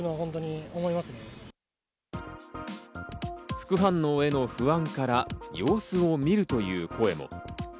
副反応への不安から、様子をみるという声も。